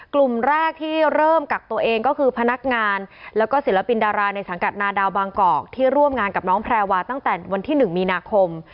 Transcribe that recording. กลุ่มแรกที่เริ่มกักตัวเองก็คือพนักงานแล้วก็ศิลปินดาราในสังกัดนาดาวบางกอกที่ร่วมงานกับน้องแพรวาตั้งแต่วันที่๑มีนาคม